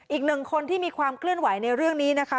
อีกหนึ่งคนที่มีความเคลื่อนไหวในเรื่องนี้นะคะ